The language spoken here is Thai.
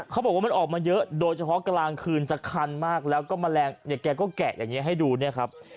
เขาบอกว่ามันออกมาเยอะโดยเฉพาะกลางคืนจะคันมากแล้วก็แมลงเนี่ยแกก็แกะอย่างนี้ให้ดูเนี่ยครับ